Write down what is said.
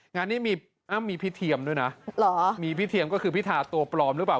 งานนี้มีอ้ำมีพี่เทียมด้วยนะมีพี่เทียมก็คือพิธาตัวปลอมหรือเปล่า